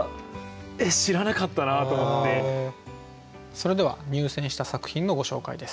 それでは入選した作品のご紹介です。